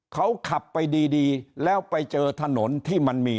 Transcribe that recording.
เขาขับไปดีแล้วไปเจอถนนที่มันมี